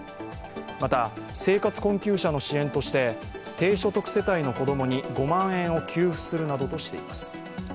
また、生活困窮者の支援として低所得世帯の子供に５万円を給付するなどとしています